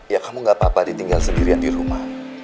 ya kamu gak apa apa ditinggal sendirian di rumah